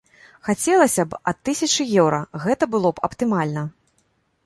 Хацелася б ад тысячы еўра, гэта было б аптымальна.